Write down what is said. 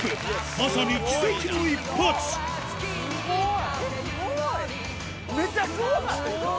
まさに奇跡の一発スゴい！